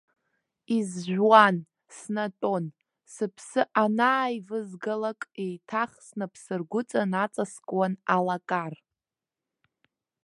Изжәуан, снатәон, сыԥсы анааивызгалак, еиҭах снапсыргәыҵа наҵаскуан алакар.